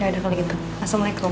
ya udah kalau gitu assalamualaikum